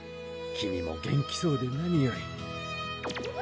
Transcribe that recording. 君も元気そうで何より。